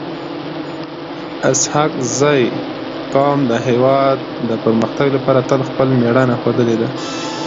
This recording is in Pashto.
اسحق زي قوم د هیواد د پرمختګ لپاره تل خپل میړانه ښودلي ده.